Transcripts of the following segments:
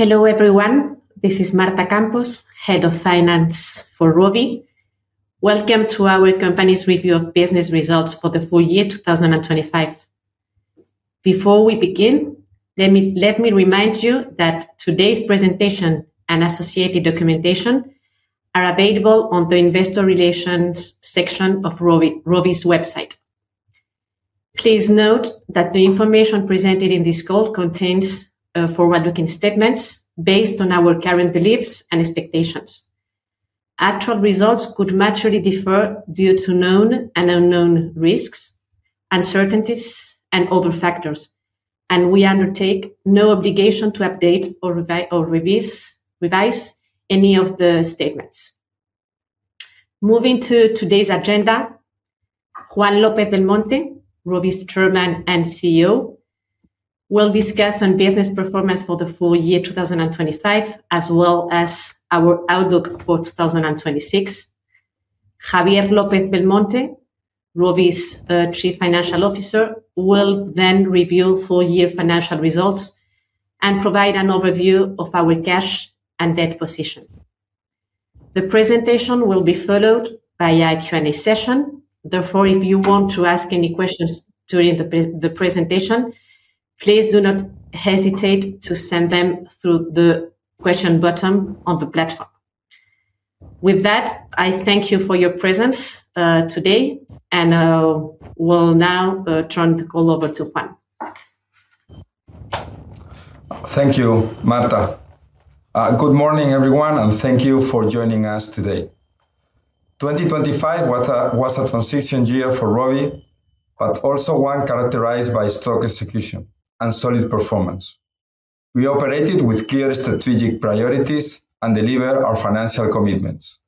Hello, everyone. This is Marta Campos, Head of Finance for ROVI. Welcome to our company's review of business results for the full year 2025. Before we begin, let me remind you that today's presentation and associated documentation are available on the Investor Relations section of ROVI's website. Please note that the information presented in this call contains forward-looking statements based on our current beliefs and expectations. Actual results could materially differ due to known and unknown risks, uncertainties, and other factors, and we undertake no obligation to update or revise any of the statements. Moving to today's agenda, Juan López-Belmonte, ROVI's Chairman and CEO, will discuss on business performance for the full year 2025, as well as our outlook for 2026. Javier López-Belmonte, ROVI's Chief Financial Officer, will then review full year financial results and provide an overview of our cash and debt position. The presentation will be followed by a Q&A session. If you want to ask any questions during the presentation, please do not hesitate to send them through the question button on the platform. With that, I thank you for your presence today, and we'll now turn the call over to Juan. Thank you, Marta. Good morning, everyone, and thank you for joining us today. 2025 was a transition year for ROVI, but also one characterized by strong execution and solid performance. We operated with clear strategic priorities and delivered our financial commitments.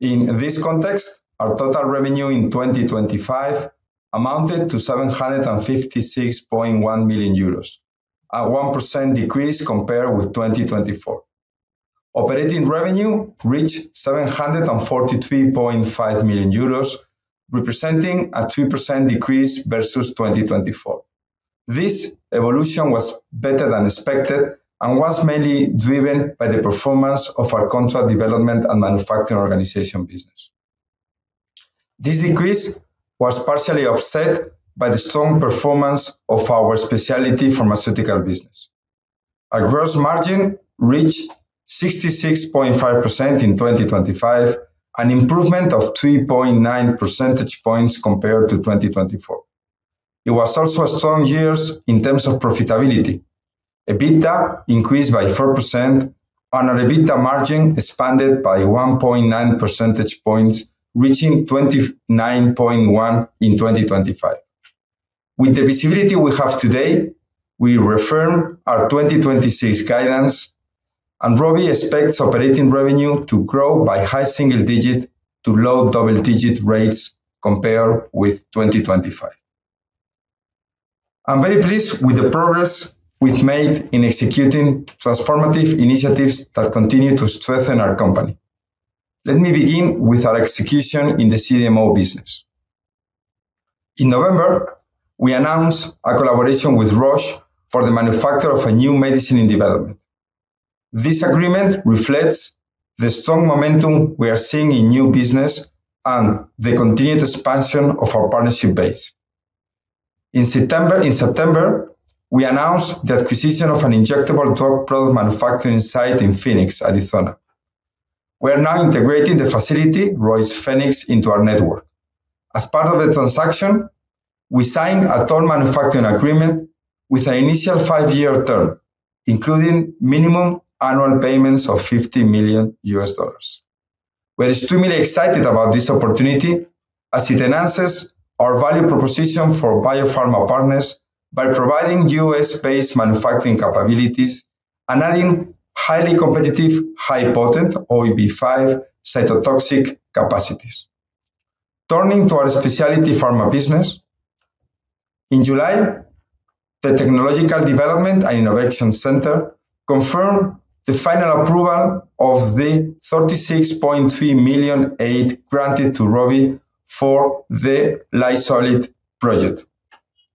In this context, our total revenue in 2025 amounted to 756.1 million euros, a 1% decrease compared with 2024. Operating revenue reached 743.5 million euros, representing a 2% decrease versus 2024. This evolution was better than expected and was mainly driven by the performance of our Contract Development and Manufacturing Organization business. This increase was partially offset by the strong performance of our Specialty Pharmaceutical business. Our gross margin reached 66.5% in 2025, an improvement of 3.9 percentage points compared to 2024. It was also a strong years in terms of profitability. EBITDA increased by 4%, and our EBITDA margin expanded by 1.9 percentage points, reaching 29.1 in 2025. With the visibility we have today, we reaffirm our 2026 guidance, and ROVI expects operating revenue to grow by high single digit to low double-digit rates compared with 2025. I'm very pleased with the progress we've made in executing transformative initiatives that continue to strengthen our company. Let me begin with our execution in the CDMO business. In November, we announced a collaboration with Roche for the manufacture of a new medicine in development. This agreement reflects the strong momentum we are seeing in new business and the continued expansion of our partnership base. In September, we announced the acquisition of an injectable drug product manufacturing site in Phoenix, Arizona. We are now integrating the facility, ROIS Phoenix, into our network. As part of the transaction, we signed a total manufacturing agreement with an initial five-year term, including minimum annual payments of $50 million. We are extremely excited about this opportunity, as it enhances our value proposition for biopharma partners by providing U.S.-based manufacturing capabilities and adding highly competitive, high potent OEB5 cytotoxic capacities. Turning to our Specialty Pharma business. In July, the Technological Development and Innovation Center confirmed the final approval of the 36.3 million aid granted to ROVI for the LAISOLID project,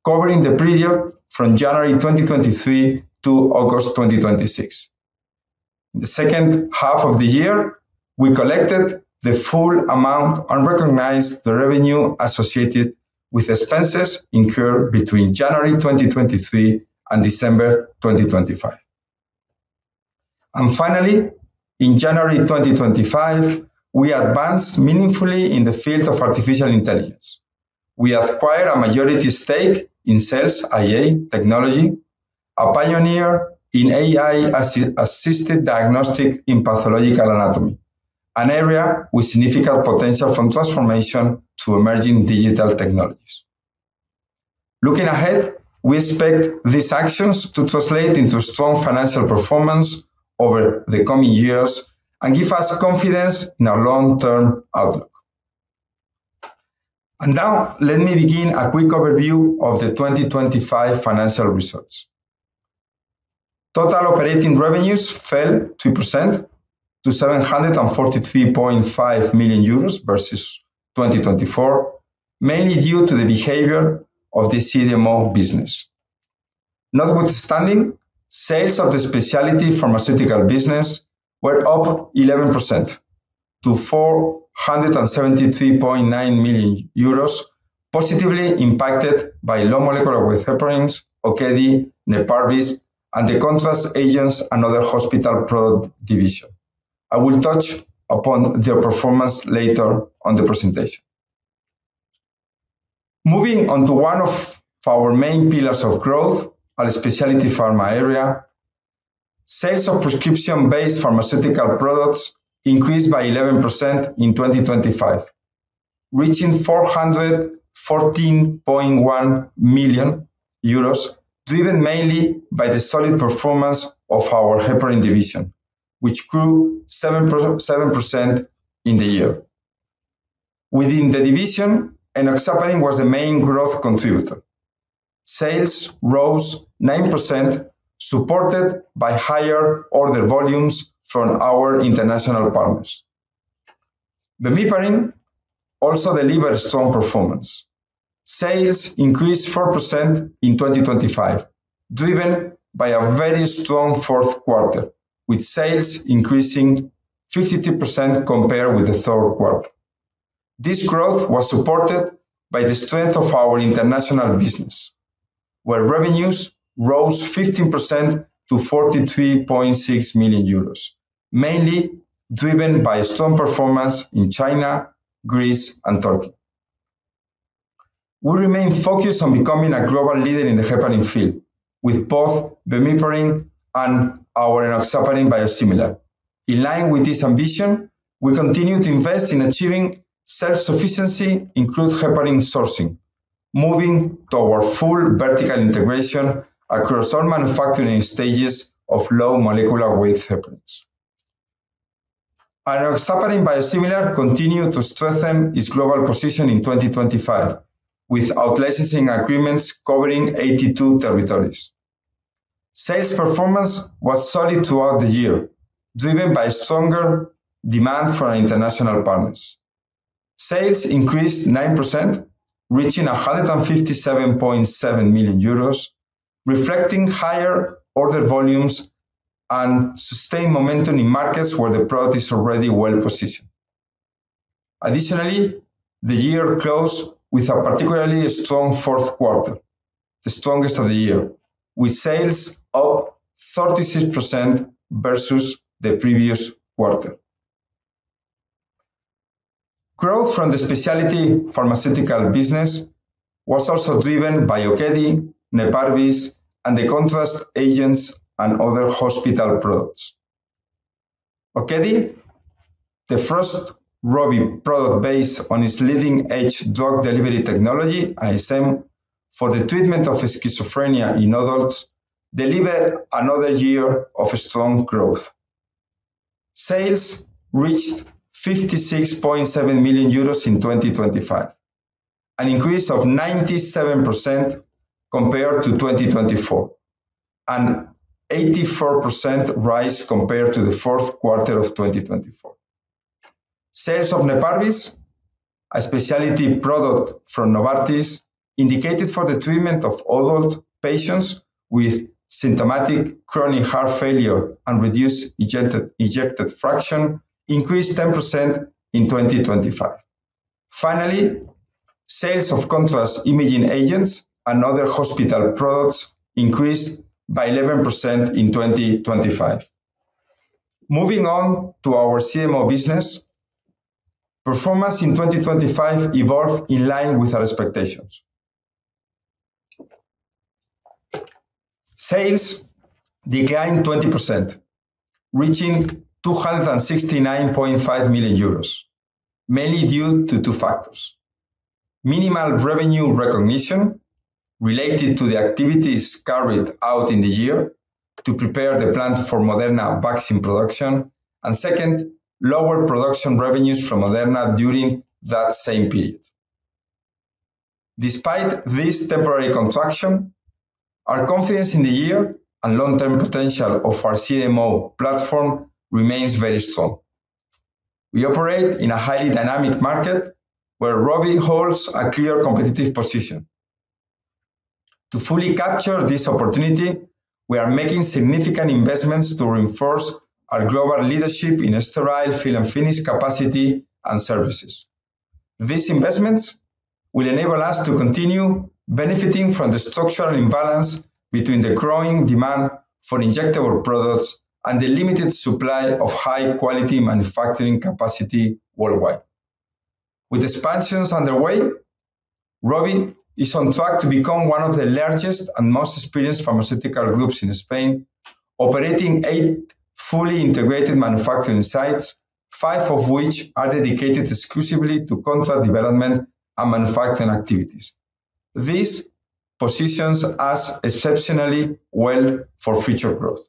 covering the period from January 2023 to August 2026. In the second half of the year, we collected the full amount and recognized the revenue associated with expenses incurred between January 2023 and December 2025. Finally, in January 2025, we advanced meaningfully in the field of artificial intelligence. We acquired a majority stake in Cells IA Technologies, a pioneer in AI-assisted diagnostic in pathological anatomy, an area with significant potential from transformation to emerging digital technologies. Looking ahead, we expect these actions to translate into strong financial performance over the coming years and give us confidence in our long-term outlook. Now, let me begin a quick overview of the 2025 financial results. Total operating revenues fell 2% to 743.5 million euros versus 2024, mainly due to the behavior of the CDMO business. Notwithstanding, sales of the Specialty Pharmaceutical business were up 11% to 473.9 million euros, positively impacted by low molecular weight heparins, Okedi, Neparvis, and the contrast agents, and other hospital product division. I will touch upon their performance later on the presentation. Moving on to one of our main pillars of growth, our Specialty Pharma area, sales of prescription-based pharmaceutical products increased by 11% in 2025, reaching 414.1 million euros, driven mainly by the solid performance of our heparin division, which grew 7% in the year. Within the division, enoxaparin was the main growth contributor. Sales rose 9%, supported by higher order volumes from our international partners. bemiparin also delivered strong performance. Sales increased 4% in 2025, driven by a very strong fourth quarter, with sales increasing 52% compared with the third quarter. This growth was supported by the strength of our international business, where revenues rose 15% to 43.6 million euros, mainly driven by a strong performance in China, Greece, and Turkey. We remain focused on becoming a global leader in the heparin field, with both bemiparin and our enoxaparin biosimilar. In line with this ambition, we continue to invest in achieving self-sufficiency in crude heparin sourcing, moving toward full vertical integration across all manufacturing stages of low molecular weight heparins. Our enoxaparin biosimilar continued to strengthen its global position in 2025, with out-licensing agreements covering 82 territories. Sales performance was solid throughout the year, driven by stronger demand from our international partners. Sales increased 9%, reaching 157.7 million euros, reflecting higher order volumes and sustained momentum in markets where the product is already well-positioned. The year closed with a particularly strong fourth quarter, the strongest of the year, with sales up 36% versus the previous quarter. Growth from the Specialty Pharmaceutical business was also driven by Okedi, Neparvis, and the contrast agents and other hospital products. Okedi, the first ROVI product based on its leading-edge drug delivery technology, ISM, for the treatment of schizophrenia in adults, delivered another year of strong growth. Sales reached 56.7 million euros in 2025, an increase of 97% compared to 2024, and 84% rise compared to the fourth quarter of 2024. Sales of Neparvis, a specialty product from Novartis, indicated for the treatment of adult patients with symptomatic chronic heart failure and reduced ejected fraction, increased 10% in 2025. Sales of contrast imaging agents and other hospital products increased by 11% in 2025. Moving on to our CMO business, performance in 2025 evolved in line with our expectations. Sales declined 20%, reaching 269.5 million euros, mainly due to two factors: minimal revenue recognition related to the activities carried out in the year to prepare the plant for Moderna vaccine production, and second, lower production revenues from Moderna during that same period. Despite this temporary contraction, our confidence in the year and long-term potential of our CMO platform remains very strong. We operate in a highly dynamic market where ROVI holds a clear competitive position. To fully capture this opportunity, we are making significant investments to reinforce our global leadership in sterile fill and finish capacity and services. These investments will enable us to continue benefiting from the structural imbalance between the growing demand for injectable products and the limited supply of high-quality manufacturing capacity worldwide. With expansions underway, ROVI is on track to become one of the largest and most experienced pharmaceutical groups in Spain, operating 8 fully integrated manufacturing sites, 5 of which are dedicated exclusively to contract development and manufacturing activities. This positions us exceptionally well for future growth.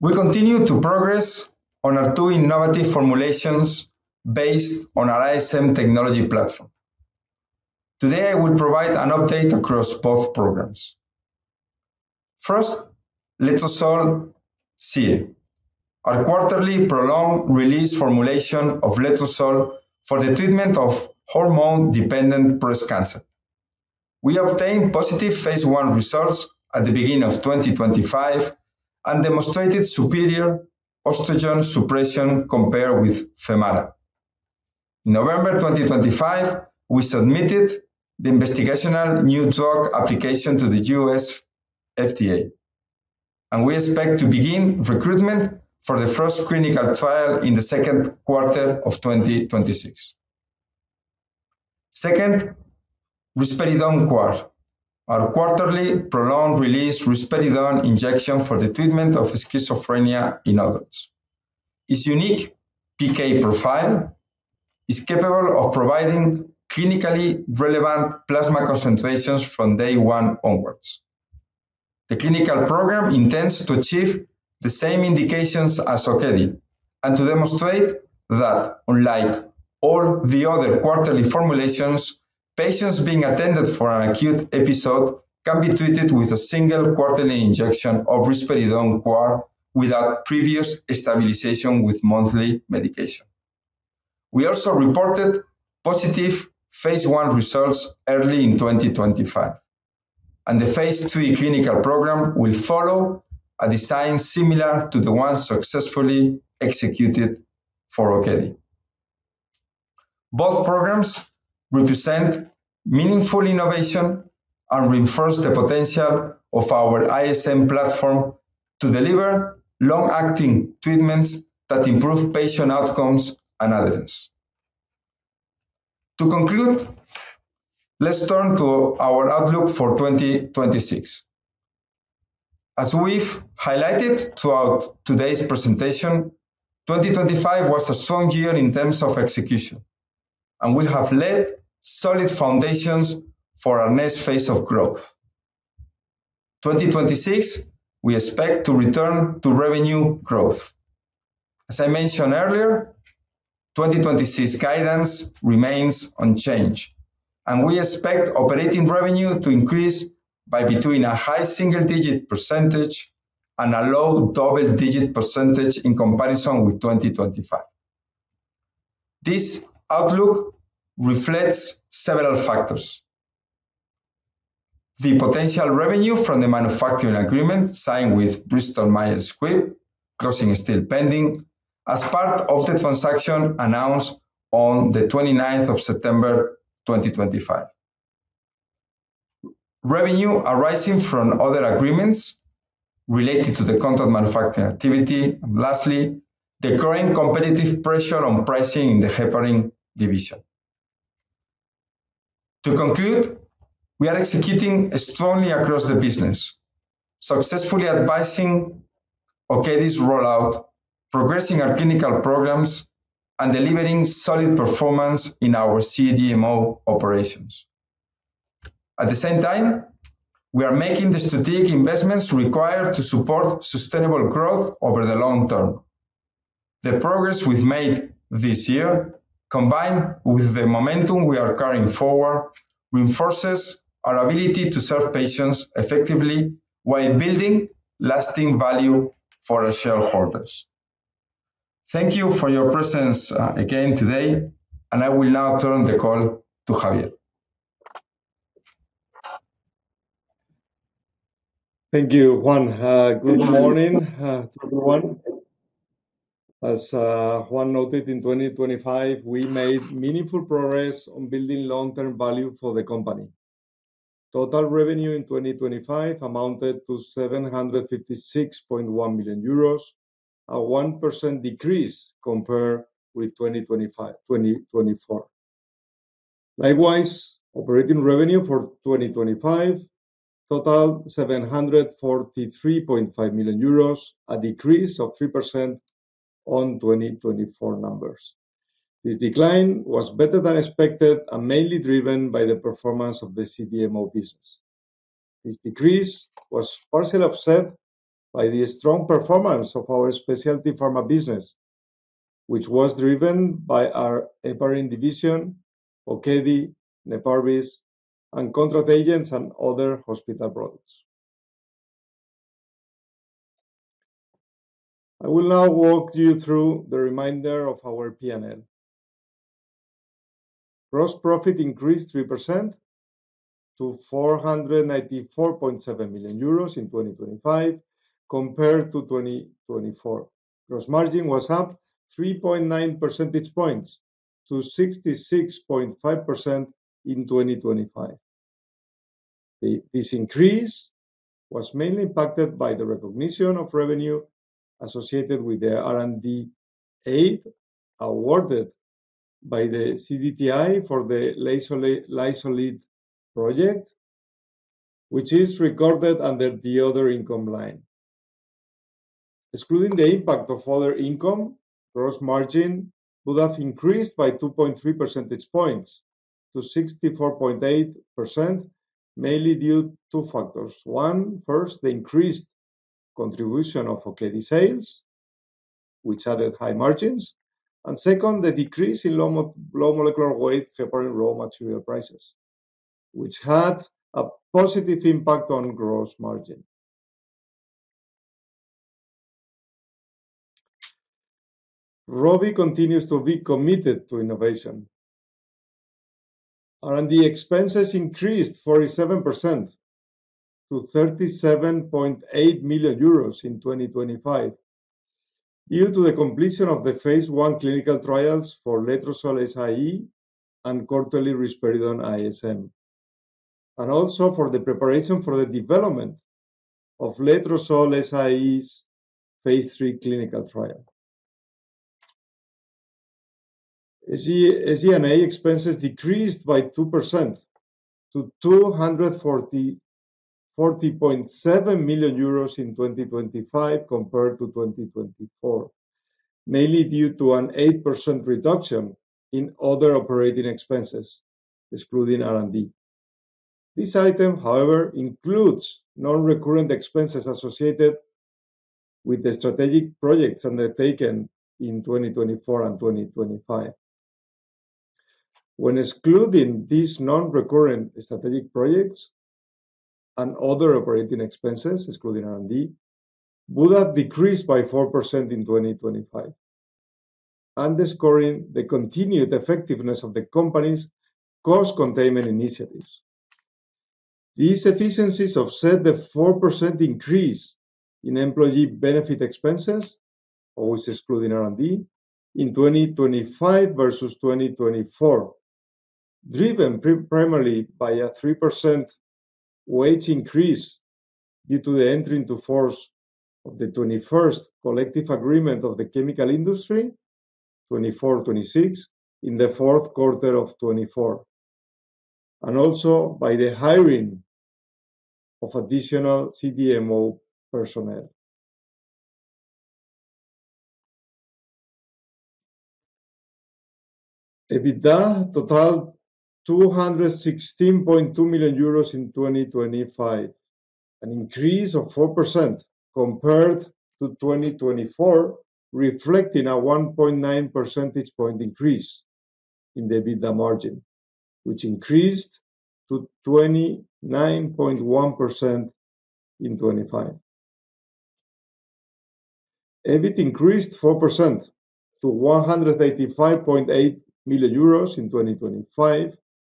We continue to progress on our 2 innovative formulations based on our ISM technology platform. Today, I will provide an update across both programs. First, Letrozole SIE, our quarterly prolonged-release formulation of Letrozole for the treatment of hormone-dependent breast cancer. We obtained positive phase I results at the beginning of 2025 and demonstrated superior estrogen suppression compared with Femara. In November 2025, we submitted the investigational new drug application to the U.S. FDA, and we expect to begin recruitment for the first clinical trial in the second quarter of 2026. Second, Risperidone QUAR, our quarterly prolonged-release Risperidone injection for the treatment of schizophrenia in adults. Its unique PK profile is capable of providing clinically relevant plasma concentrations from day 1 onwards. The clinical program intends to achieve the same indications as Okedi and to demonstrate that unlike all the other quarterly formulations, patients being attended for an acute episode can be treated with a single quarterly injection of Risperidone QUAR without previous stabilization with monthly medication. We also reported positive phase I results early in 2025, and the phase III clinical program will follow a design similar to the one successfully executed for Okedi. Both programs represent meaningful innovation and reinforce the potential of our ISM platform to deliver long-acting treatments that improve patient outcomes and adherence. To conclude, let's turn to our outlook for 2026. As we've highlighted throughout today's presentation, 2025 was a strong year in terms of execution, and we have laid solid foundations for our next phase of growth. 2026, we expect to return to revenue growth. As I mentioned earlier, 2026 guidance remains unchanged, and we expect operating revenue to increase by between a high single-digit percentage and a low double-digit percentage in comparison with 2025. This outlook reflects several factors: the potential revenue from the manufacturing agreement signed with Bristol Myers Squibb, closing is still pending, as part of the transaction announced on the 29th of September, 2025. Revenue arising from other agreements related to the contract manufacturing activity. Lastly, the current competitive pressure on pricing in the heparin division. To conclude, we are executing strongly across the business, successfully advising Okedi's rollout, progressing our clinical programs, and delivering solid performance in our CDMO operations. At the same time, we are making the strategic investments required to support sustainable growth over the long term. The progress we've made this year, combined with the momentum we are carrying forward, reinforces our ability to serve patients effectively while building lasting value for our shareholders. Thank you for your presence, again today. I will now turn the call to Javier. Thank you, Juan. Good morning, everyone. As Juan noted, in 2025, we made meaningful progress on building long-term value for the company. Total revenue in 2025 amounted to 756.1 million euros, a 1% decrease compared with 2024. Likewise, operating revenue for 2025 totaled 743.5 million euros, a decrease of 3% on 2024 numbers. This decline was better than expected and mainly driven by the performance of the CDMO business. This decrease was partially offset by the strong performance of our Specialty Pharma business, which was driven by our heparin division, Okedi, Neparvis, and contract agents and other hospital products. I will now walk you through the remainder of our P&L. Gross profit increased 3% to 494.7 million euros in 2025 compared to 2024. Gross margin was up 3.9 percentage points to 66.5% in 2025. This increase was mainly impacted by the recognition of revenue associated with the R&D aid awarded by the CDTI for the LAISOLID project, which is recorded under the other income line. Excluding the impact of other income, gross margin would have increased by 2.3 percentage points to 64.8%, mainly due to two factors. First, the increased contribution of Okedi sales, which added high margins, and second, the decrease in low molecular weight heparin raw material prices, which had a positive impact on gross margin. ROVI continues to be committed to innovation. R&D expenses increased 47% to 37.8 million euros in 2025, due to the completion of the phase I clinical trials for Letrozole SIE and Risperidone ISM, and also for the preparation for the development of Letrozole SIE's phase III clinical trial. SG&A expenses decreased by 2% to 240.7 million euros in 2025 compared to 2024, mainly due to an 8% reduction in other operating expenses, excluding R&D. This item, however, includes non-recurrent expenses associated with the strategic projects undertaken in 2024 and 2025. When excluding these non-recurrent strategic projects and other operating expenses, excluding R&D, would have decreased by 4% in 2025, underscoring the continued effectiveness of the company's cost containment initiatives. These efficiencies offset the 4% increase in employee benefit expenses, always excluding R&D, in 2025 versus 2024, driven primarily by a 3% wage increase due to the entry into force of the 21st General Agreement for the Chemical Industry, 2024-2026, in the 4th quarter of 2024, and also by the hiring of additional CDMO personnel. EBITDA totaled 216.2 million euros in 2025, an increase of 4% compared to 2024, reflecting a 1.9 percentage point increase in the EBITDA margin, which increased to 29.1% in 2025. EBIT increased 4% to 185.8 million euros in 2025,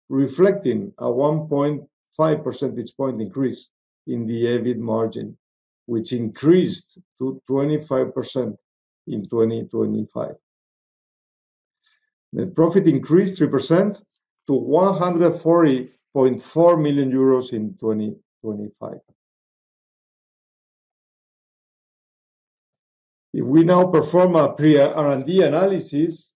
reflecting a 1.5 percentage point increase in the EBIT margin, which increased to 25% in 2025. We now perform a pre-R&D analysis,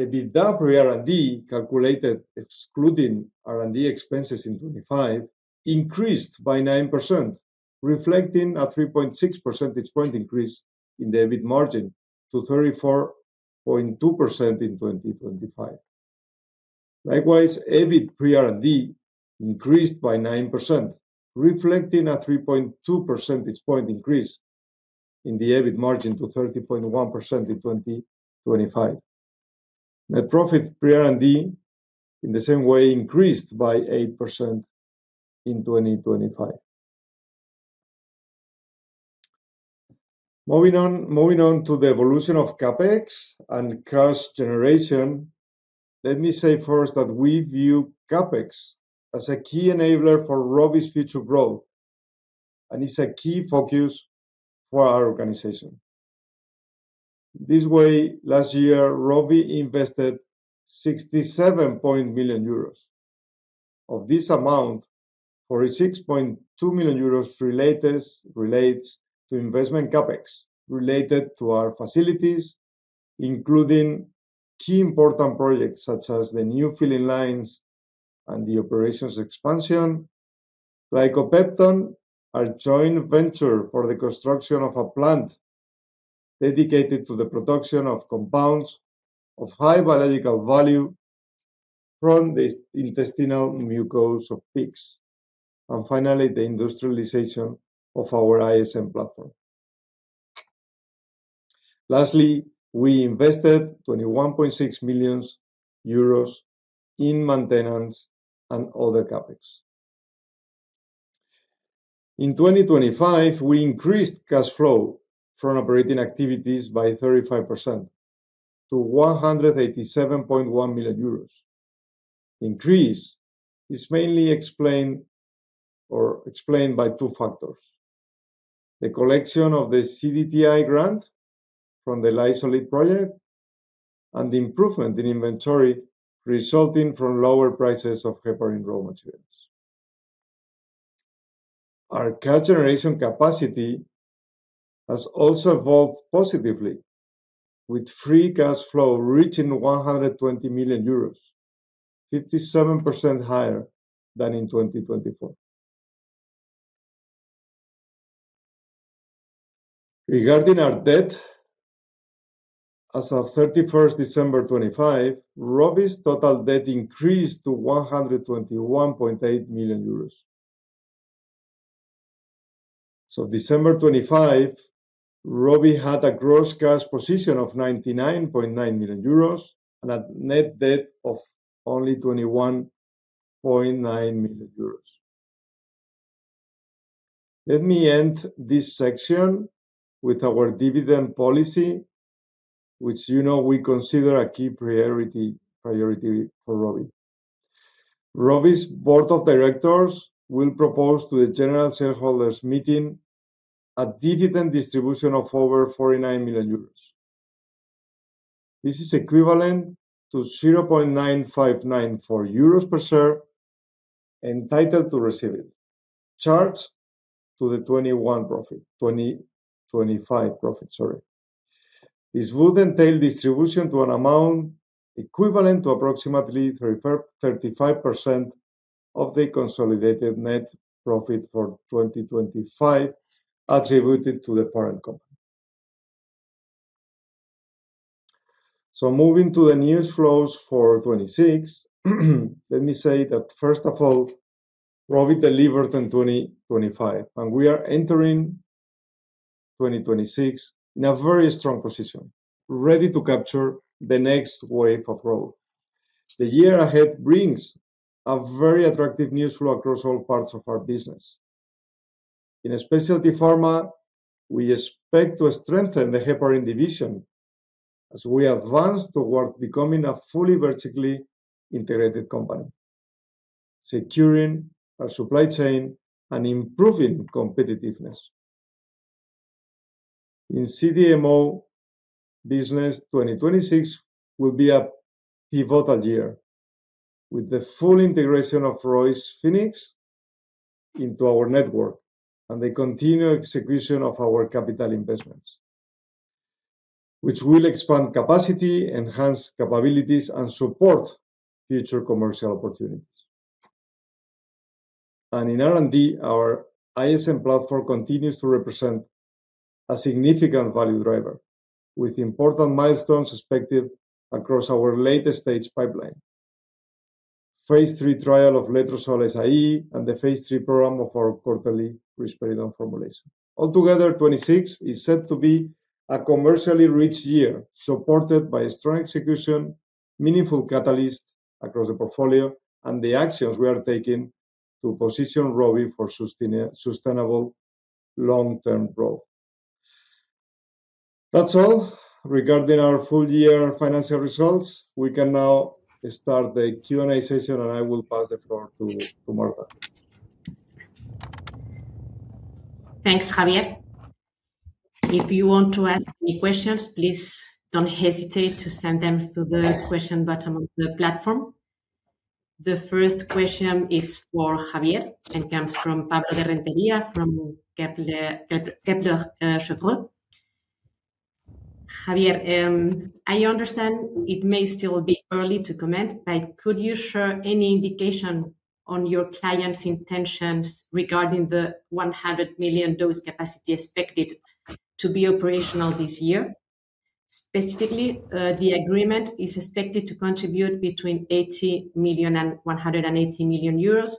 EBITDA pre-R&D, calculated excluding R&D expenses in 2025, increased by 9%, reflecting a 3.6 percentage point increase in the EBIT margin to 34.2% in 2025. Likewise, EBIT pre-R&D increased by 9%, reflecting a 3.2 percentage point increase in the EBIT margin to 30.1% in 2025. Net profit pre-R&D, in the same way, increased by 8% in 2025. Moving on to the evolution of CapEx and cash generation, let me say first that we view CapEx as a key enabler for ROVI's future growth, and it's a key focus for our organization. This way, last year, ROVI invested 67. million. Of this amount, 46.2 million euros relates to investment CapEx related to our facilities, including key important projects such as the new filling lines and the operations expansion; Glycopepton, our joint venture for the construction of a plant dedicated to the production of compounds of high biological value from the intestinal mucosa of pigs, and finally, the industrialization of our ISM platform. Lastly, we invested 21.6 million euros in maintenance and other CapEx. In 2025, we increased cash flow from operating activities by 35% to 187.1 million euros. Increase is mainly explained by two factors: the collection of the CDTI grant from the LAISOLID project and the improvement in inventory resulting from lower prices of heparin raw materials. Our cash generation capacity has also evolved positively, with free cash flow reaching 120 million euros, 57% higher than in 2024. Regarding our debt, as of 31st December 2025, ROVI's total debt increased to 121.8 million euros. December 2025, ROVI had a gross cash position of 99.9 million euros, and a net debt of only 21.9 million euros. Let me end this section with our dividend policy, which, you know, we consider a key priority for ROVI. ROVI's Board of Directors will propose to the general shareholders' meeting a dividend distribution of over 49 million euros. This is equivalent to 0.9594 euros per share, entitled to receive it, charged to the 2025 profit, sorry. This would entail distribution to an amount equivalent to approximately 35% of the consolidated net profit for 2025, attributed to the parent company. Moving to the news flows for 2026, let me say that, first of all, ROVI delivered in 2025, and we are entering 2026 in a very strong position, ready to capture the next wave of growth. The year ahead brings a very attractive news flow across all parts of our business. In Specialty Pharma, we expect to strengthen the heparin division as we advance toward becoming a fully vertically integrated company, securing our supply chain and impROVIng competitiveness. In CDMO business, 2026 will be a pivotal year, with the full integration of ROIS Phoenix into our network and the continued execution of our capital investments, which will expand capacity, enhance capabilities, and support future commercial opportunities. In R&D, our ISM platform continues to represent a significant value driver, with important milestones expected across our late-stage pipeline. phase III trial of Letrozole SIE and the phase III program of our quarterly risperidone formulation. Altogether, 2026 is set to be a commercially rich year, supported by a strong execution, meaningful catalyst across the portfolio, and the actions we are taking to position ROVI for sustainable long-term growth. That's all regarding our full year financial results. We can now start the Q&A session, and I will pass the floor to Marta. Thanks, Javier. If you want to ask any questions, please don't hesitate to send them through the question button on the platform. The first question is for Javier and comes from Pablo de Rentería, from Kepler Cheuvreux. Javier, I understand it may still be early to comment, but could you share any indication on your client's intentions regarding the 100 million dose capacity expected to be operational this year? Specifically, the agreement is expected to contribute between 80 million and 180 million euros.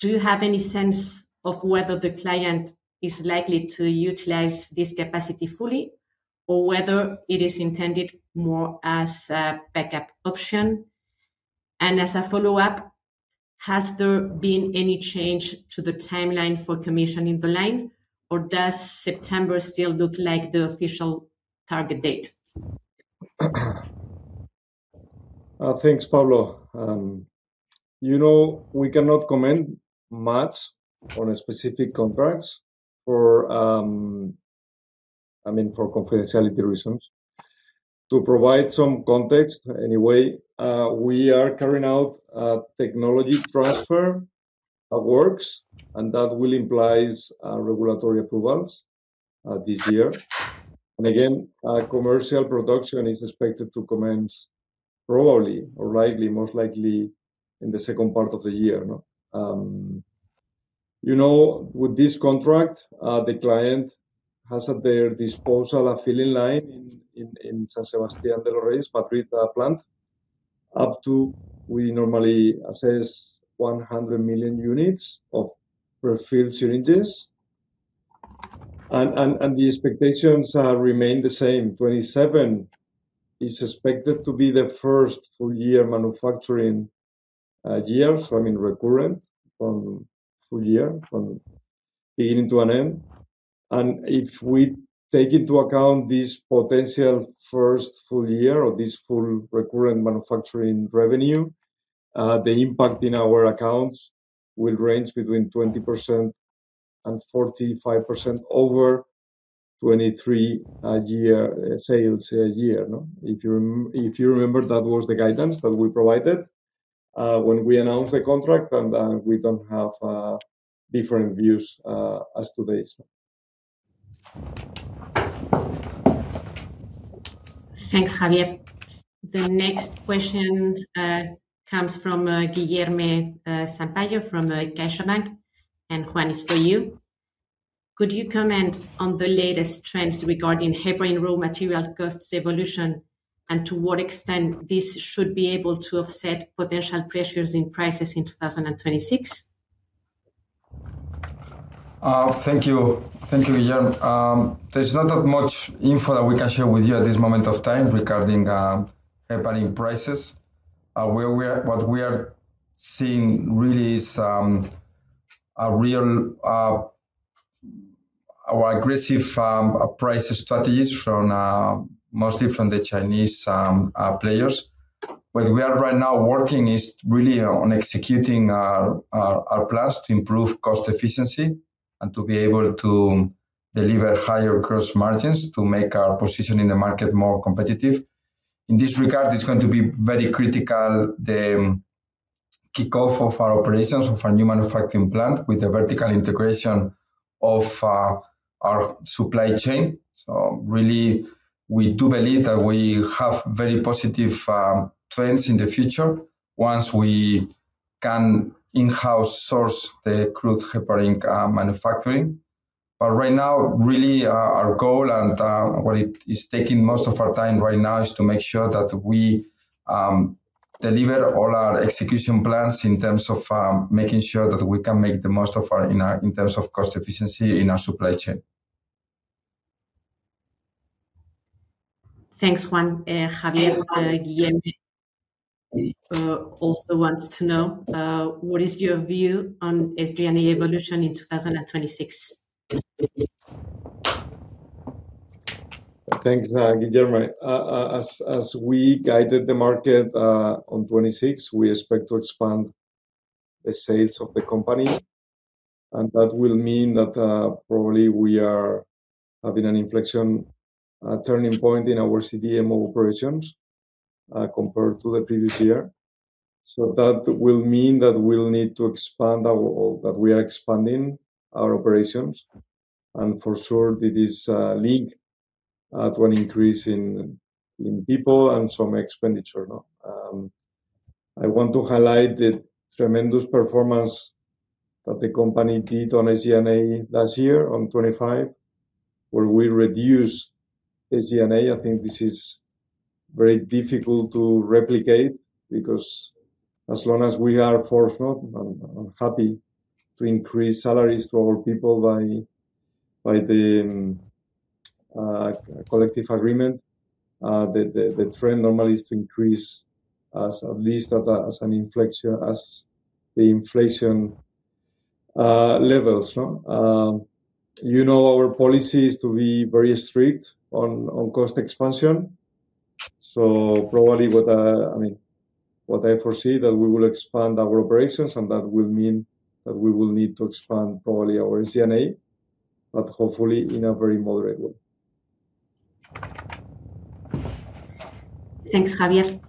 Do you have any sense of whether the client is likely to utilize this capacity fully, or whether it is intended more as a backup option? As a follow-up, has there been any change to the timeline for commissioning the line, or does September still look like the official target date? Thanks, Pablo. You know, we cannot comment much on specific contracts for, I mean, for confidentiality reasons. To provide some context, anyway, we are carrying out a technology transfer of works, and that will implies regulatory approvals this year. Again, commercial production is expected to commence probably or likely, most likely in the second part of the year, no? You know, with this contract, the client has at their disposal a filling line in San Sebastián de los Reyes, Madrid plant, up to we normally assess 100 million units of pre-filled syringes. The expectations remain the same. 2027 is expected to be the first full year manufacturing year, so I mean, recurrent from full year from beginning to an end. If we take into account this potential first full year or this full recurrent manufacturing revenue, the impact in our accounts will range between 20% and 45% over 2023 year, sales year. If you remember, that was the guidance that we provided, when we announced the contract, and, we don't have, different views, as today. Thanks, Javier. The next question comes from Guilherme Sampaio from CaixaBank, Juan, it's for you. Could you comment on the latest trends regarding heparin raw material costs evolution, and to what extent this should be able to offset potential pressures in prices in 2026? Thank you. Thank you, Guilherme There's not that much info that we can share with you at this moment of time regarding heparin prices. What we are seeing really is a real aggressive price strategies from mostly from the Chinese players. What we are right now working is really on executing our plans to improve cost efficiency and to be able to deliver higher gross margins to make our position in the market more competitive. In this regard, it's going to be very critical, the kickoff of our operations of our new manufacturing plant with the vertical integration of our supply chain. Really, we do believe that we have very positive trends in the future once we can in-house source the crude heparin manufacturing. Right now, really, our goal and what it is taking most of our time right now is to make sure that we deliver all our execution plans in terms of making sure that we can make in terms of cost efficiency in our supply chain. Thanks, Juan. Javier, Guilherme also wants to know what is your view on SG&A evolution in 2026? Thanks, Guilherme. As we guided the market on 2026, we expect to expand the sales of the company, and that will mean that probably we are having an inflection turning point in our CDMO operations compared to the previous year. That will mean that we'll need to expand or that we are expanding our operations, and for sure, it is linked to an increase in people and some expenditure, no? I want to highlight the tremendous performance that the company did on SG&A last year, on 2025, where we reduced SG&A. I think this is very difficult to replicate because as long as we are forced, no, I'm happy to increase salaries to our people by the Collective Agreement, the trend normally is to increase at least as an inflection, as the inflation levels, no? You know our policy is to be very strict on cost expansion. Probably what, I mean, what I foresee, that we will expand our operations, and that will mean that we will need to expand probably our SG&A, but hopefully in a very moderate way. Thanks, Javier.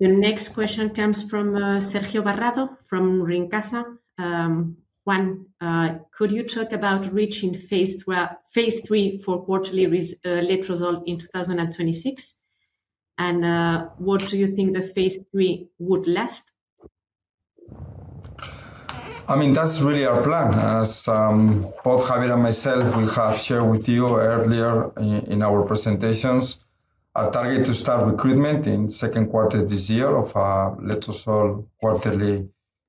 The next question comes from Sergio Barrado from Fimarge]. Juan, could you talk about reaching phase III for quarterly Letrozole in 2026? What do you think the phase III would last? I mean, that's really our plan. As both Javier and myself, we have shared with you earlier in our presentations, our target to start recruitment in second quarter this year of Letrozole quarterly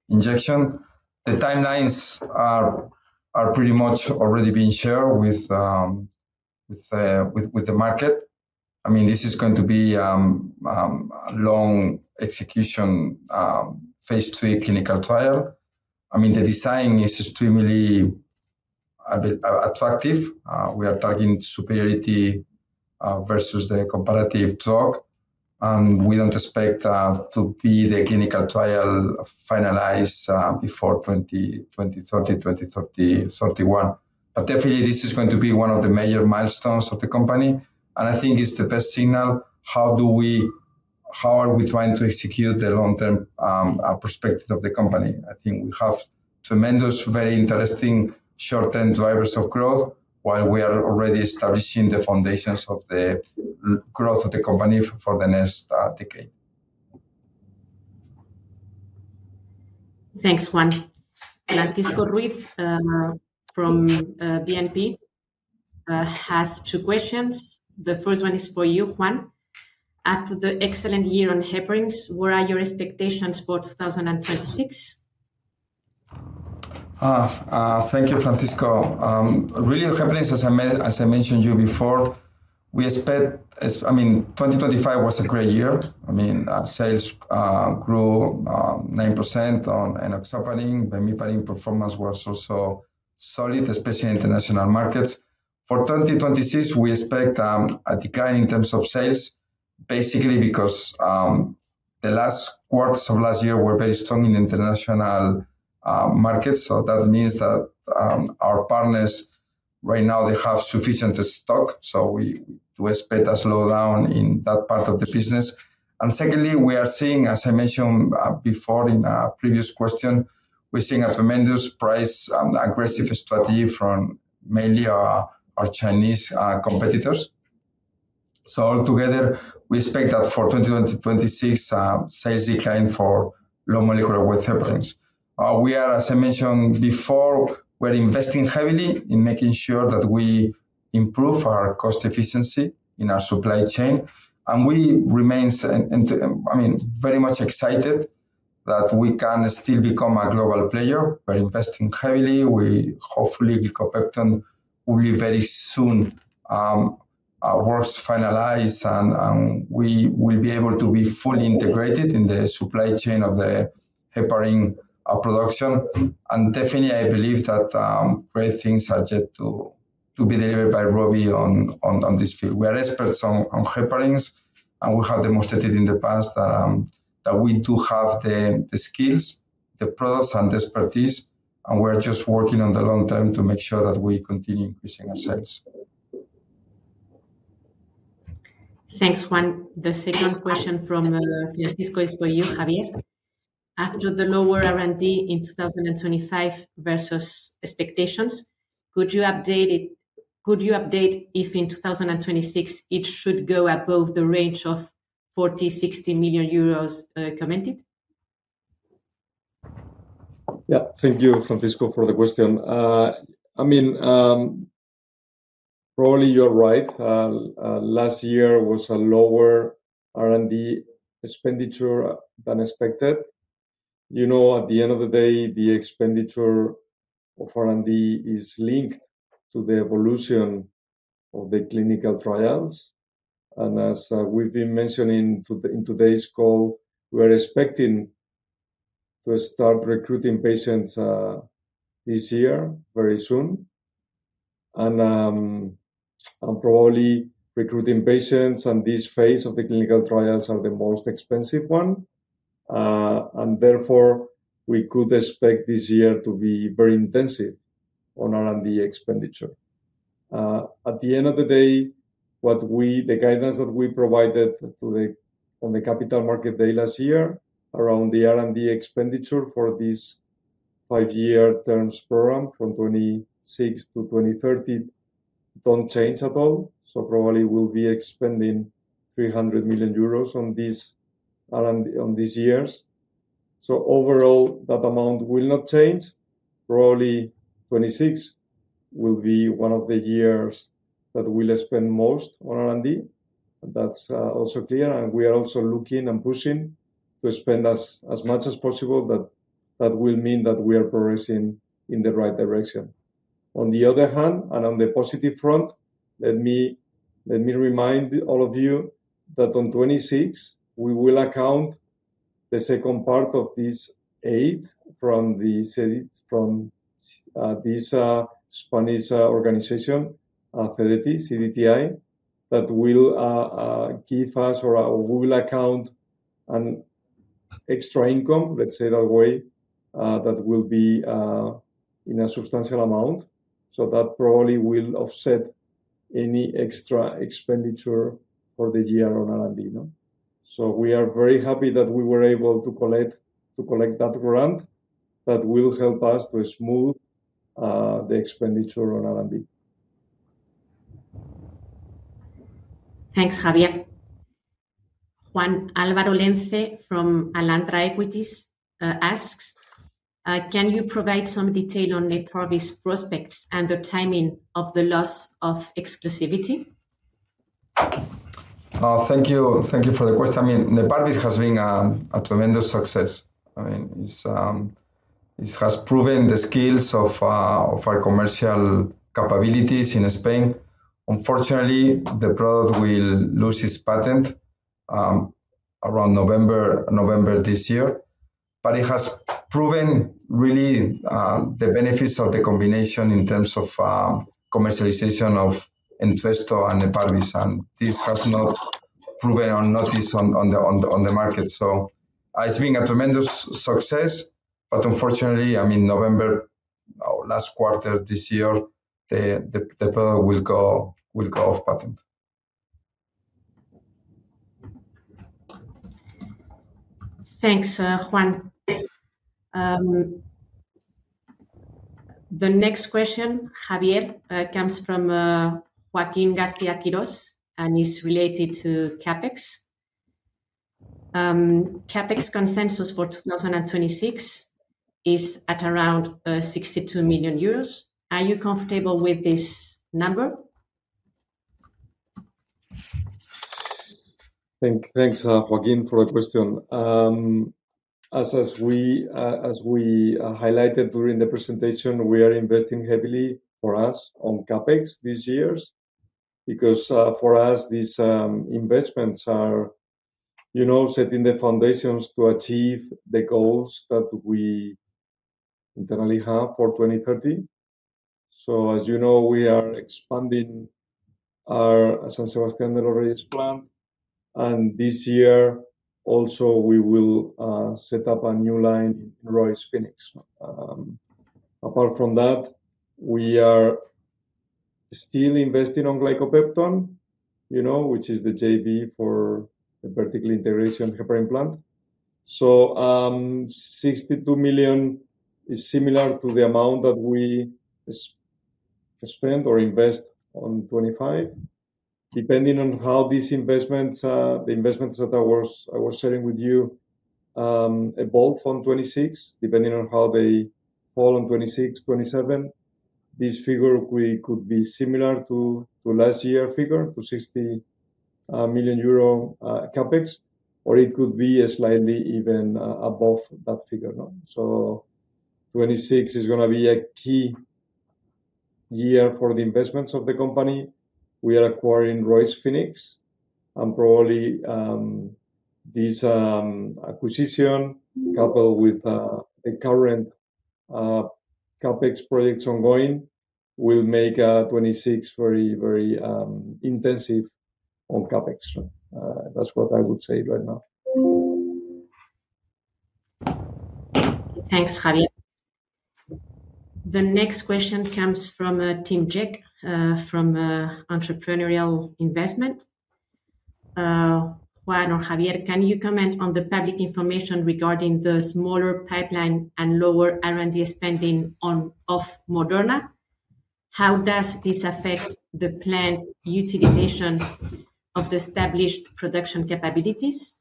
injection. The timelines are pretty much already been shared with the market. I mean, this is going to be a long execution phase III clinical trial. I mean, the design is extremely attractive. We are talking superiority versus the comparative drug, and we don't expect to be the clinical trial finalized before 2030-2031. Definitely, this is going to be one of the major milestones of the company, and I think it's the best signal, how are we trying to execute the long-term perspective of the company? I think we have tremendous, very interesting short-term drivers of growth, while we are already establishing the foundations of the growth of the company for the next decade. Thanks, Juan. Francisco Ruiz from BNP has two questions. The first one is for you, Juan. After the excellent year on heparins, what are your expectations for 2026? Thank you, Francisco. Really, heparins, as I mentioned you before, we expect. I mean, 2025 was a great year. I mean, sales grew 9% on enoxaparin, bemiparin performance was also solid, especially in international markets. For 2026, we expect a decline in terms of sales, basically because the last quarters of last year were very strong in international markets. That means that our partners right now, they have sufficient stock, so we expect a slowdown in that part of the business. Secondly, we are seeing, as I mentioned, before in a previous question, we're seeing a tremendous price and aggressive strategy from mainly our Chinese competitors. All together, we expect that for 2020-2026, sales decline for low molecular weight heparins. We are, as I mentioned before, we're investing heavily in making sure that we improve our cost efficiency in our supply chain, and we remain I mean, very much excited that we can still become a global player. We're investing heavily. Hopefully, Glycopepton will very soon, works finalized, and we will be able to be fully integrated in the supply chain of the heparin production. Definitely, I believe that great things are yet to be delivered by ROVI on this field. We are experts on heparins, and we have demonstrated in the past that we do have the skills, the products, and expertise, and we're just working on the long term to make sure that we continue increasing our sales. Thanks, Juan. The second question from Francisco is for you, Javier. After the lower R&D in 2025 versus expectations, could you update if in 2026, it should go above the range of 40 million-60 million euros commented? Yeah. Thank you, Francisco, for the question. I mean, probably you're right. Last year was a lower R&D expenditure than expected. You know, at the end of the day, the expenditure of R&D is linked to the evolution of the clinical trials, and as we've been mentioning in today's call, we're expecting to start recruiting patients this year, very soon. Probably recruiting patients on this phase of the clinical trials are the most expensive one. Therefore, we could expect this year to be very intensive on R&D expenditure. At the end of the day, the guidance that we provided on the capital market day last year around the R&D expenditure for this five-year terms program, from 2026 to 2030, don't change at all. Probably we'll be expending 300 million euros on this R&D on these years. Overall, that amount will not change. Probably, 2026 will be one of the years that we will spend most on R&D, and that's also clear, and we are also looking and pushing to spend as much as possible, that will mean that we are progressing in the right direction. On the other hand, and on the positive front, let me remind all of you that on 2026, we will account the second part of this aid from this Spanish organization, authority, CDTI, that will give us or we will account an extra income, let's say that way, that will be in a substantial amount. That probably will offset any extra expenditure for the year on R&D, you know? We are very happy that we were able to collect that grant, that will help us to smooth the expenditure on R&D. Thanks, Javier. Juan. Álvaro Lenze from Alantra Equities asks, "Can you provide some detail on Neparvis prospects and the timing of the loss of exclusivity? Thank you. Thank you for the question. I mean, Neparvis has been a tremendous success. I mean, it's, it has proven the skills of our commercial capabilities in Spain. Unfortunately, the product will lose its patent, around November this year. It has proven really, the benefits of the combination in terms of commercialization of Entresto and Neparvis, and this has not proven or not this on the market. It's been a tremendous success, but unfortunately, I mean, November, or last quarter this year, the product will go off patent. Thanks, Juan. The next question, Javier, comes from Joaquín García-Quirós, and is related to CapEx. CapEx consensus for 2026 is at around 62 million euros. Are you comfortable with this number? Thanks, Joaquín, for the question. As we highlighted during the presentation, we are investing heavily for us on CapEx these years, because for us, these investments are, you know, setting the foundations to achieve the goals that we internally have for 2030. As you know, we are expanding our San Sebastián that already is planned, and this year also, we will set up a new line in ROIS Phoenix. Apart from that, we are still investing on Glycopepton, you know, which is the JV for the particle integration heparin plant. 62 million is similar to the amount that we spend or invest on 2025. Depending on how these investments, the investments that I was sharing with you, evolve on 2026, depending on how they fall on 2026, 2027, this figure could be similar to last year figure, to 60 million euro CapEx, or it could be slightly even above that figure. 2026 is gonna be a key year for the investments of the company. We are acquiring ROIS Phoenix, and probably, this acquisition, coupled with the current CapEx projects ongoing, will make 2026 very, very intensive on CapEx. That's what I would say right now. Thanks, Javier. The next question comes from, [Tim Jack, from, entrepreneurial investment]. Juan or Javier, can you comment on the public information regarding the smaller pipeline and lower R&D spending of Moderna? How does this affect the planned utilization of the established production capabilities?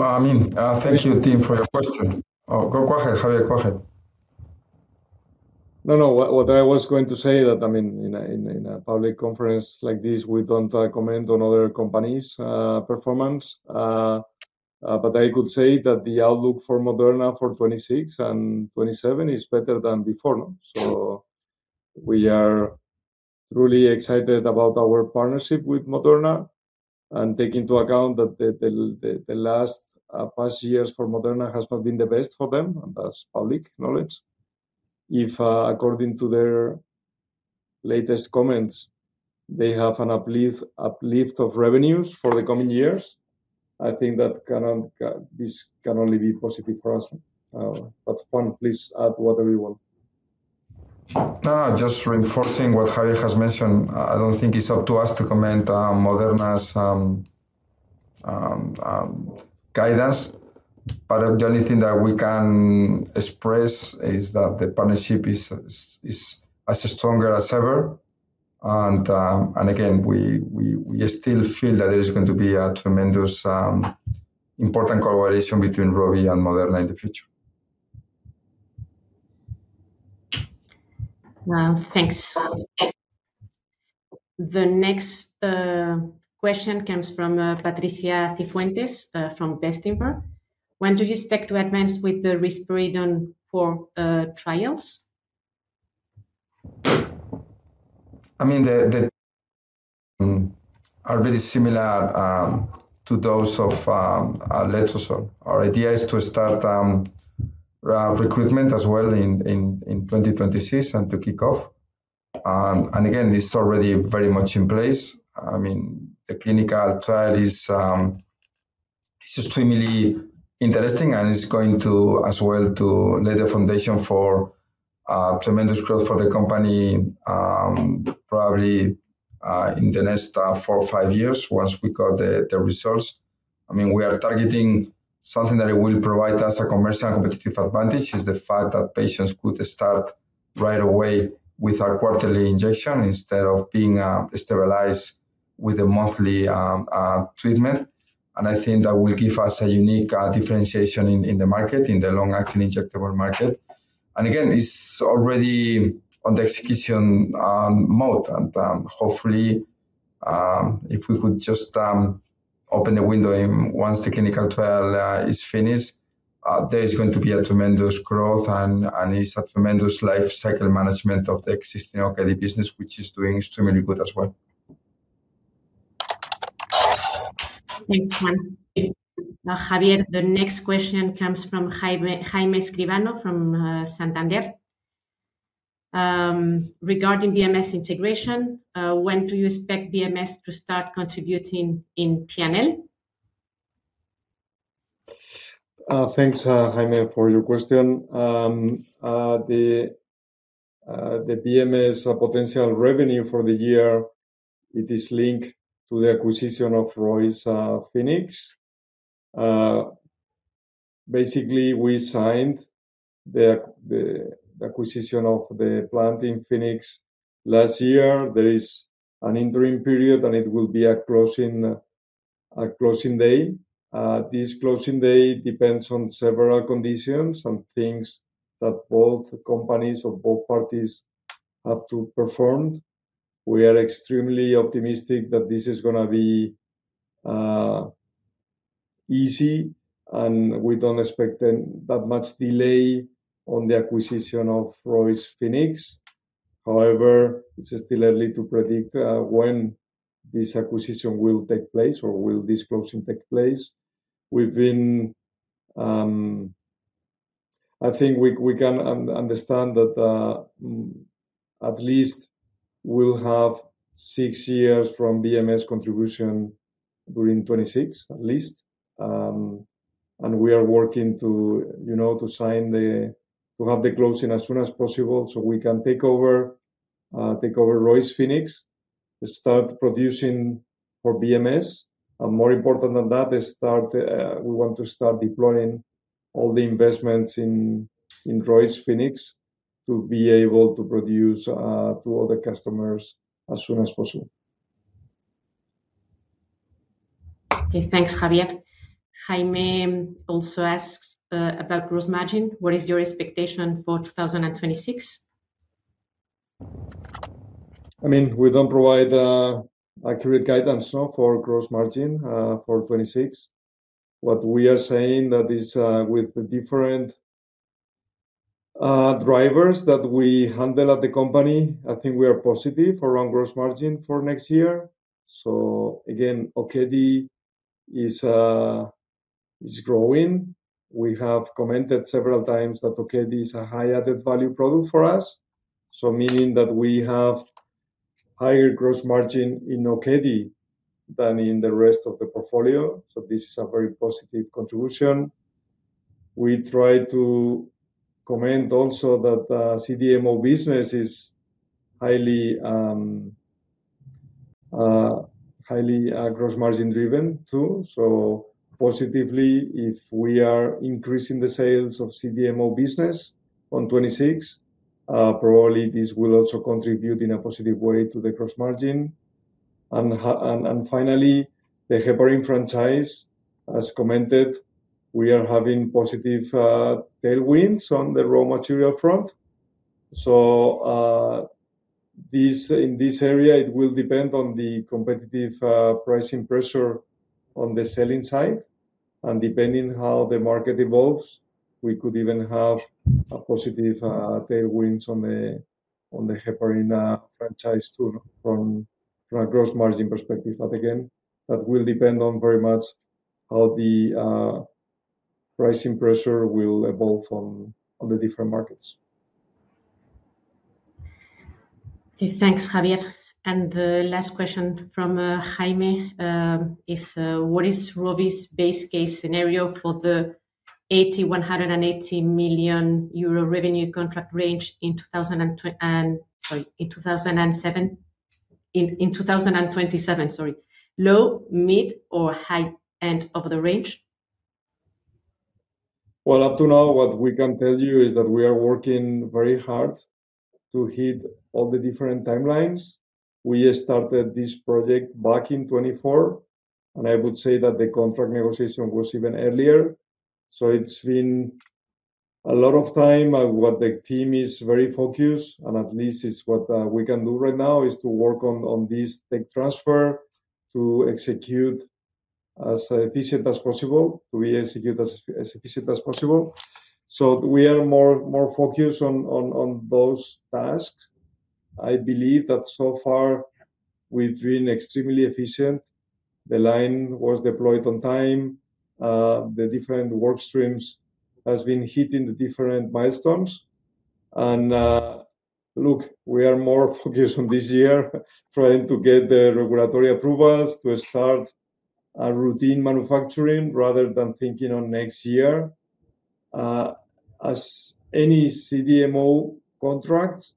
I mean, thank you, Tim, for your question. Go ahead, Javier. Go ahead. What I was going to say that, I mean, in a public conference like this, we don't comment on other companies' performance. I could say that the outlook for Moderna for 2026 and 2027 is better than before. We are truly excited about our partnership with Moderna, and take into account that the last past years for Moderna has not been the best for them, and that's public knowledge. If, according to their latest comments, they have an uplift of revenues for the coming years, I think that can this can only be positive for us. Juan, please add whatever you want. No, just reinforcing what Javier has mentioned. I don't think it's up to us to comment on Moderna's guidance, but the only thing that we can express is that the partnership is as stronger as ever, and again, we still feel that there is going to be a tremendous important collaboration between ROVI and Moderna in the future. Well, thanks. The next question comes from Patricia Cifuentes, from Bestinver. When do you expect to advance with the risperidone for trials? I mean, the are very similar to those of our Letrozole. Our idea is to start recruitment as well in 2026 and to kick off. Again, this is already very much in place. I mean, the clinical trial is extremely interesting, and it's going to, as well, to lay the foundation for tremendous growth for the company, probably in the next 4 or 5 years once we got the results. I mean, we are targeting something that it will provide us a commercial competitive advantage, is the fact that patients could start right away with our quarterly injection instead of being stabilized with a monthly treatment. I think that will give us a unique differentiation in the market, in the long-acting injectable market. Again, it's already on the execution mode, and hopefully, if we could just open the window, and once the clinical trial is finished, there is going to be a tremendous growth and it's a tremendous life cycle management of the existing business, which is doing extremely good as well. Thanks, Juan. Now, Javier, the next question comes from Jaime Escribano from Santander. Regarding BMS integration, when do you expect BMS to start contributing in P&L? Thanks, Jaime, for your question. The BMS potential revenue for the year, it is linked to the acquisition of ROIS Phoenix. Basically, we signed the acquisition of the plant in Phoenix last year. There is an interim period, and it will be a closing day. This closing day depends on several conditions, some things that both companies or both parties have to perform. We are extremely optimistic that this is gonna be easy, and we don't expect that much delay on the acquisition of ROIS Phoenix. However, it's still early to predict when this acquisition will take place or will this closing take place. We've been. I think we can understand that at least we'll have six years from BMS contribution during 2026, at least. We are working to, you know, to have the closing as soon as possible, so we can take over ROIS Phoenix, start producing for BMS, and more important than that, is we want to start deploying all the investments in ROIS Phoenix to be able to produce to all the customers as soon as possible. Okay, thanks, Javier. Jaime also asks about gross margin: What is your expectation for 2026? I mean, we don't provide accurate guidance, no, for gross margin for 2026. What we are saying that is, with the different drivers that we handle at the company, I think we are positive around gross margin for next year. Again, Okedi is growing. We have commented several times that Okedi is a high added value product for us, so meaning that we have higher gross margin in Okedi than in the rest of the portfolio, so this is a very positive contribution. We try to comment also that CDMO business is highly gross margin-driven, too. Positively, if we are increasing the sales of CDMO business on 2026, probably this will also contribute in a positive way to the gross margin. Finally, the heparin franchise, as commented, we are having positive tailwinds on the raw material front. In this area, it will depend on the competitive pricing pressure on the selling side, and depending how the market evolves, we could even have a positive tailwinds on the heparin franchise too, from a gross margin perspective. Again, that will depend very much how the pricing pressure will evolve on the different markets. Thanks, Javier. The last question from Jaime is: What is ROVI's base case scenario for the 80 million-180 million euro revenue contract range in, sorry, in 2027, sorry. Low, mid, or high end of the range? Well, up to now, what we can tell you is that we are working very hard to hit all the different timelines. We started this project back in 2024. I would say that the contract negotiation was even earlier. It's been a lot of time. What the team is very focused, and at least it's what we can do right now, is to work on this tech transfer to execute as efficient as possible. We are more focused on those tasks. I believe that so far we've been extremely efficient. The line was deployed on time. The different work streams has been hitting the different milestones. Look, we are more focused on this year, trying to get the regulatory approvals to start routine manufacturing rather than thinking on next year. As any CDMO contract,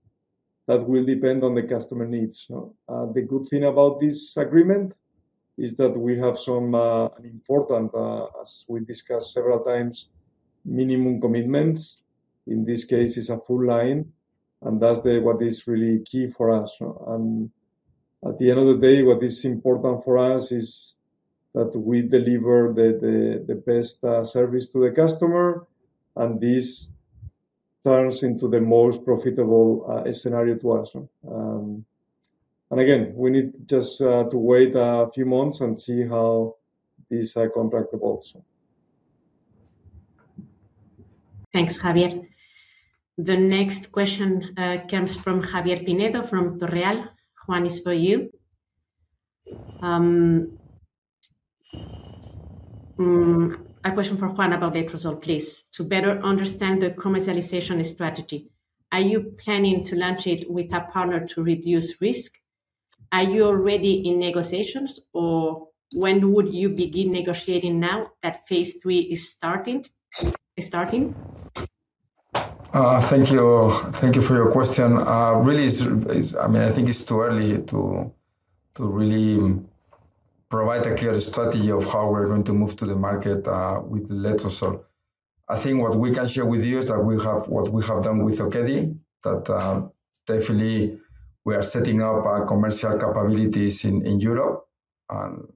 that will depend on the customer needs, no? The good thing about this agreement is that we have some an important, as we discussed several times, minimum commitments. In this case, it's a full line, and that's what is really key for us, no? At the end of the day, what is important for us is that we deliver the best service to the customer, and this turns into the most profitable scenario to us, no? Again, we need just to wait a few months and see how this contract evolves. Thanks, Javier. The next question comes from Borja Pinedo, from Torreal. Juan, it's for you. A question for Juan about Letrozole, please. To better understand the commercialization strategy, are you planning to launch it with a partner to reduce risk? Are you already in negotiations, or when would you begin negotiating now that phase III is starting? Thank you. Thank you for your question. I mean, I think it's too early to really provide a clear strategy of how we're going to move to the market with Letrozole. I think what we can share with you is that what we have done with Okedi, that definitely we are setting up our commercial capabilities in Europe, and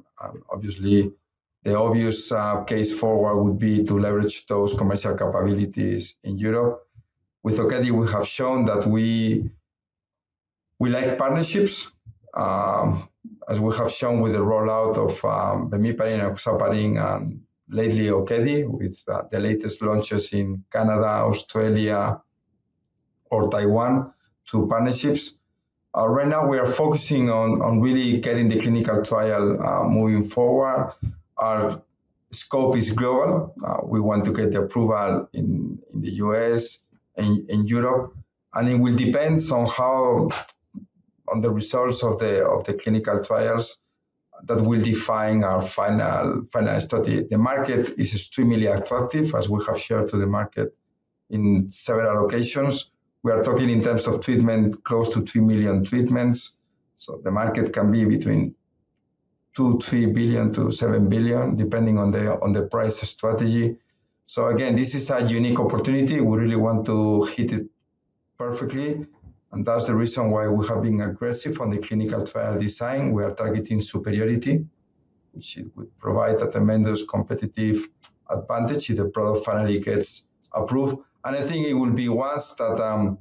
obviously, the obvious case forward would be to leverage those commercial capabilities in Europe. With Okedi, we have shown that we like partnerships, as we have shown with the rollout of bemiparin and enoxaparin, and lately, Okedi, with the latest launches in Canada, Australia, or Taiwan, two partnerships. Right now we are focusing on really getting the clinical trial moving forward. Our scope is global. We want to get the approval in the U.S., in Europe, and it will depend on the results of the clinical trials.... that will define our final study. The market is extremely attractive, as we have shared to the market in several occasions. We are talking in terms of treatment, close to 3 million treatments, so the market can be between 2 billion, 3 billion to 7 billion, depending on the price strategy. Again, this is a unique opportunity. We really want to hit it perfectly, and that's the reason why we have been aggressive on the clinical trial design. We are targeting superiority, which would provide a tremendous competitive advantage if the product finally gets approved. I think it will be once that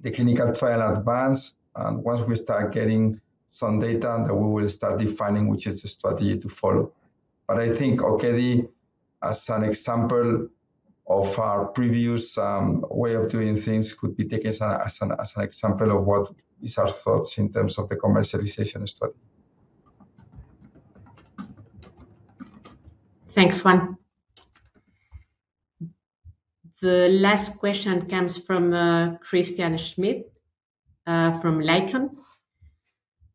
the clinical trial advance and once we start getting some data, that we will start defining which is the strategy to follow. I think, okay, as an example of our previous way of doing things, could be taken as an example of what is our thoughts in terms of the commercialization study. Thanks, Juan. The last question comes from [Christian Schmidt from Lichem].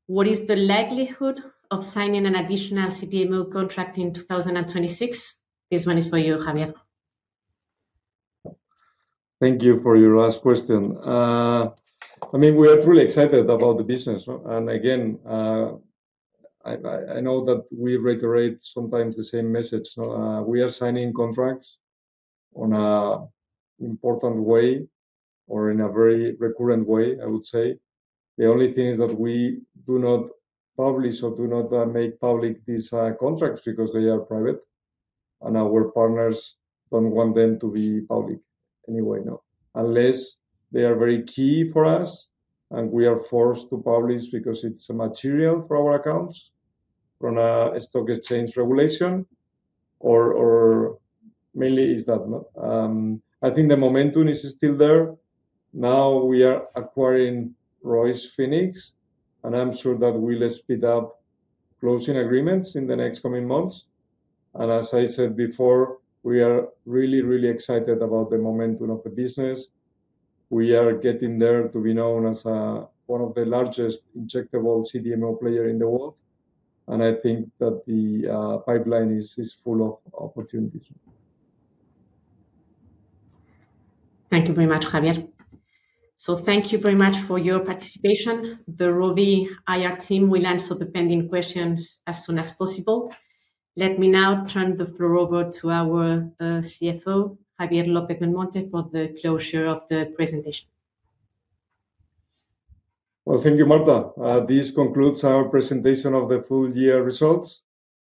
What is the likelihood of signing an additional CDMO contract in 2026? This one is for you, Javier. Thank you for your last question. I mean, we are really excited about the business, again, I know that we reiterate sometimes the same message. We are signing contracts on a important way or in a very recurrent way, I would say. The only thing is that we do not publish or do not make public these contracts because they are private, and our partners don't want them to be public anyway, no. Unless they are very key for us, and we are forced to publish because it's material for our accounts, from a stock exchange regulation or mainly is that. I think the momentum is still there. We are acquiring ROIS Phoenix, and I'm sure that will speed up closing agreements in the next coming months. As I said before, we are really excited about the momentum of the business. We are getting there to be known as one of the largest injectable CDMO player in the world, and I think that the pipeline is full of opportunities. Thank you very much, Javier. Thank you very much for your participation. The ROVI IR team will answer the pending questions as soon as possible. Let me now turn the floor over to our CFO, Javier López-Belmonte, for the closure of the presentation. Well, thank you, Marta. This concludes our presentation of the full year results.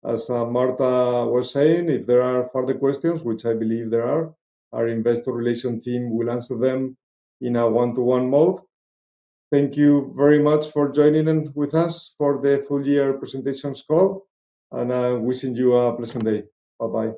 As Marta was saying, if there are further questions, which I believe there are, our investor relation team will answer them in a one-to-one mode. Thank you very much for joining in with us for the full year presentation call. Wishing you a pleasant day. Bye-bye.